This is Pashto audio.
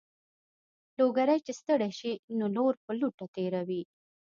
لوګری چې ستړی شي نو لور په لوټه تېروي.